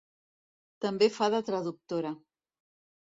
També fa de traductora.